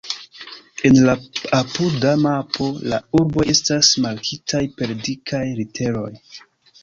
En la apuda mapo la urboj estas markitaj per dikaj literoj.